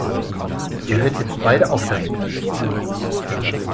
Ihr hört jetzt beide auf damit!